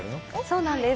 そうなんです。